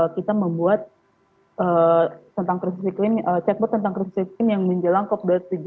kita membuat chatbot tentang krisis iklim yang menjelang cop dua puluh tujuh